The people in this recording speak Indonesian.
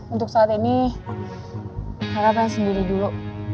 untuk saat ini rara pengen sendiri dulu